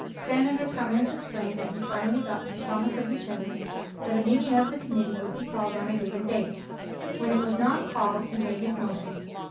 Senator Cummins explained that he finally got the promise of the Chairman that a meeting of the Committee would be called on a given date. When it was not called he made his motion.